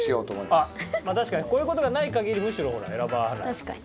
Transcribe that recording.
確かにこういう事がない限りむしろ選ばないかも。